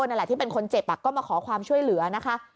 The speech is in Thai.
อะไรนะที่เป็นคนเจ็บอะก็มาขอความช่วยเหลือนะคะ